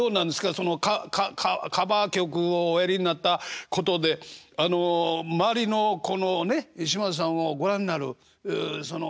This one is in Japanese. そのカバー曲をおやりになったことであの周りのこのね島津さんをご覧になるその視線が変わってくるでしょ？